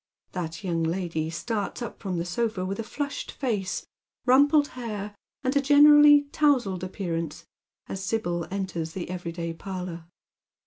That young lady starts up i'rom the sofa with flushed face, rumpled hair, and a generally towzled appearance, as Sibyl enters the every day parlour.